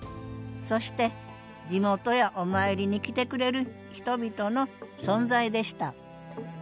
そして地元やお参りに来てくれる人々の存在でした